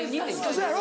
そやろ？